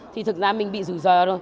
thì thực ra mình bị rủi ro rồi